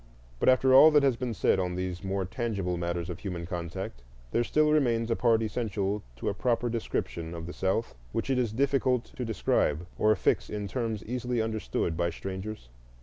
But after all that has been said on these more tangible matters of human contact, there still remains a part essential to a proper description of the South which it is difficult to describe or fix in terms easily understood by strangers.